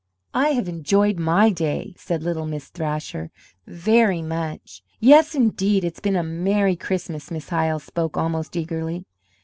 "I have enjoyed my day," said little Miss Thrasher, "very much." "Yes, indeed, it's been a merry Christmas." Miss Hyle spoke almost eagerly.